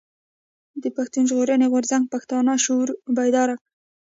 پښتون ژغورني غورځنګ پښتانه شعوري بيدار کړل.